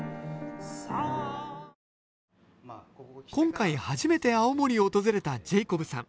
今回初めて青森を訪れたジェイコブさん。